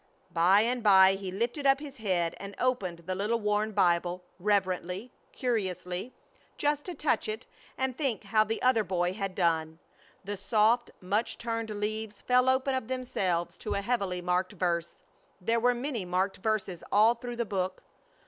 By and by he lifted up his head and opened the little worn Bible, reverently, curiously, just to touch it and think how the other boy had done. The soft, much turned leaves fell open of themselves to a heavily marked verse. There were many marked verses all through the book.